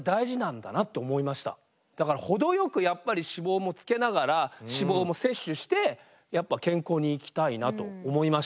だから程よくやっぱり脂肪もつけながら脂肪も摂取して健康に生きたいなと思いました。